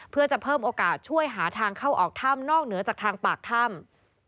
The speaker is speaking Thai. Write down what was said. เพื่อจะเพิ่มโอกาสช่วยหาทางเข้าออกถ้ำนอกเหนือจากทางปากถ้ำ